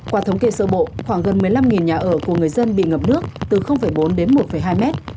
qua thống kê sơ bộ khoảng gần một mươi năm nhà ở của người dân bị ngập nước từ bốn đến một hai mét